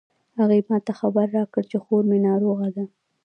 هغې ما ته خبر راکړ چې خور می ناروغه ده